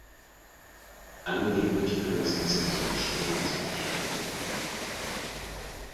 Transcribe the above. Angeblich könne es die sexuelle Stimulation steigern.